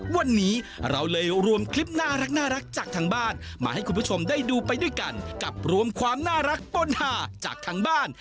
วันนี้เราเลยรวมคลิปน่ารักจากทางบ้านมาให้คุณผู้ชมได้ดูไปด้วยกันกับรวมความน่ารักต้นหาจากทางบ้าน